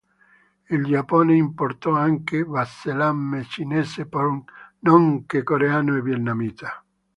Il Giappone importò anche vasellame cinese nonché coreano e vietnamita.